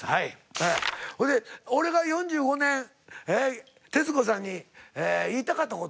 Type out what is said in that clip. それで俺が４５年徹子さんに言いたかった事？